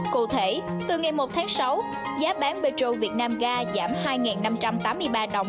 cụ thể từ ngày một tháng sáu giá bán metro việt nam ga giảm hai năm trăm tám mươi ba đồng